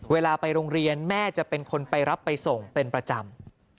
เวลาไปโรงเรียนแม่จะเป็นคนไปรับไปส่งเป็นประจำ